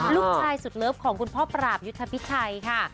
ลูกชายสุดเลิฟของคุณพ่อปราบยุทธพิชัยค่ะ